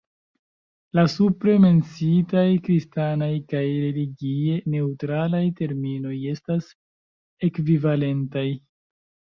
La supre menciitaj kristanaj kaj religie neŭtralaj terminoj estas ekvivalentaj.